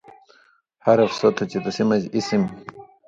حرف سو تُھو چے تسی مژ اسم